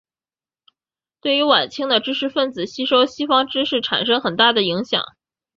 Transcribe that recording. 对于晚清的知识分子吸收西方知识产生很大的影响。